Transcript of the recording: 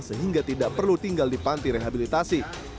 sehingga tidak perlu tinggal di panti rehabilitasi